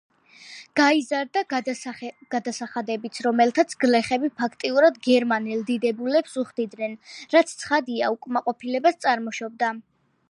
გაიზარდა გადასახადებიც, რომელთაც გლეხები ფაქტიურად გერმანელ დიდებულებს უხდიდნენ, რაც ცხადია უკმაყოფილებას წარმოშობდა.